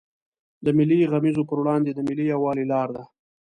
د ملي غمیزو پر وړاندې د ملي یوالي لار ده.